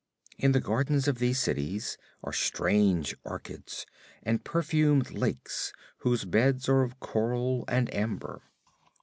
In the gardens of these cities are strange orchids, and perfumed lakes whose beds are of coral and amber.